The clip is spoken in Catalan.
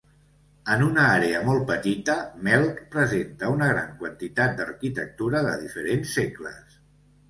En una àrea molt petita, Melk presenta una gran quantitat d'arquitectura de diferents segles.